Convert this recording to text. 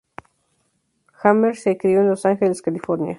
Hammer se crio en Los Ángeles, California.